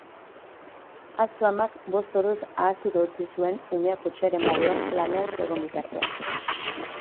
Atzo amak bost orduz ahaztuta utzi zuen umea kotxearen barruan lanean zegoen bitartean.